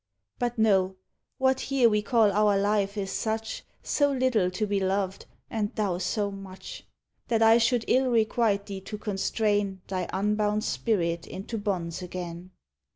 Hut no,— what here we eall our life is such, So little to be loved, aud thou so much. That I should ill requite thee to constrain Thy unbound spirit into bonds again.